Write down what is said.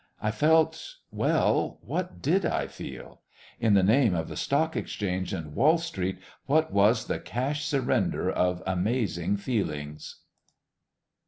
I felt well, what did I feel? In the name of the Stock Exchange and Wall Street, what was the cash surrender of amazing feelings?